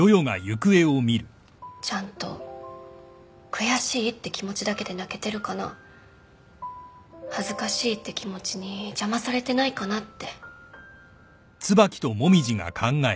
ちゃんと悔しいって気持ちだけで泣けてるかな恥ずかしいって気持ちに邪魔されてないかなって。